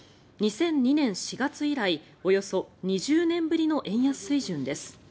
２００２年４月以来およそ２０年ぶりの円安水準です。